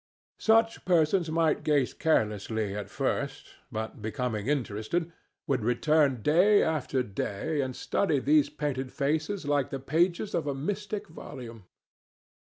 Such persons might gaze carelessly at first, but, becoming interested, would return day after day and study these painted faces like the pages of a mystic volume.